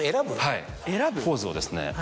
はいポーズをですね。